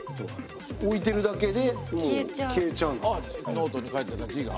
ノートに書いてた字が？